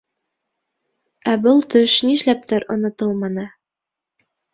Ә был төш нишләптер онотолманы.